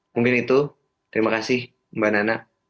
mungkin itu terima kasih mbak nana